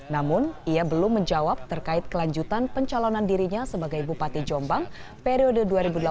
namun ia belum menjawab terkait kelanjutan pencalonan dirinya sebagai bupati jombang periode dua ribu delapan belas dua ribu dua puluh